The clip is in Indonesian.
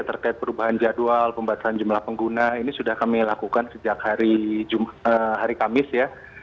terkait perubahan jadwal pembatasan jumlah pengguna ini sudah kami lakukan sejak hari kamis ya